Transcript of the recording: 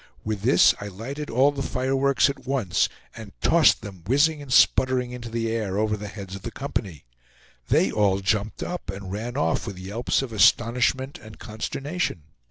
With this I lighted all the fireworks at once, and tossed them whizzing and sputtering into the air, over the heads of the company. They all jumped up and ran off with yelps of astonishment and consternation.